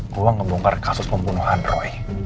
gue ngebongkar kasus pembunuhan roy